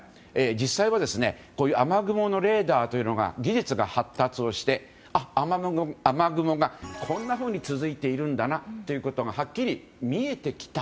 実際は、雨雲レーダーの技術が発達して雨雲がこんなふうに続いているんだなということがはっきり見えてきた。